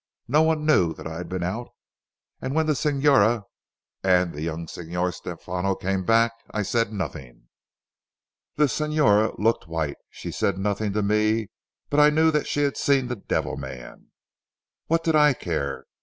No one knew that I had been out, and when the Signora and the young Signor Stefano came back I said nothing. The Signora looked white. She said nothing to me but I knew that she had seen the devil man. What did I care.